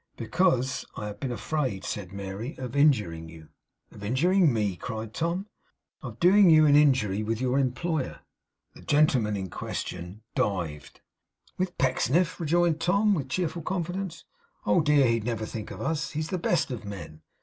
'Because I have been afraid,' said Mary, 'of injuring you.' 'Of injuring me!' cried Tom. 'Of doing you an injury with your employer.' The gentleman in question dived. 'With Pecksniff!' rejoined Tom, with cheerful confidence. 'Oh dear, he'd never think of us! He's the best of men.